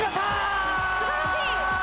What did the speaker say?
すばらしい。